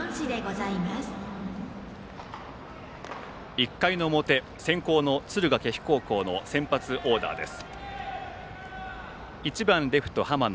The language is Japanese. １回の表、先攻の敦賀気比高校の先発オーダーです。